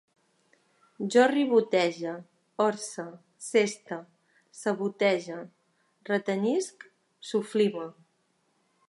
Jo ribotege, orse, seste, sabotege, retenyisc, soflime